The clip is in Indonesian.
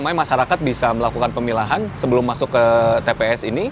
masyarakat bisa melakukan pemilahan sebelum masuk ke tps ini